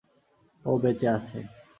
ও বেঁচে আছে।